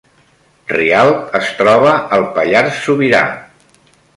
Rialp es troba al Pallars Sobirà